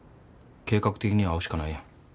計画的に会うしかないやん。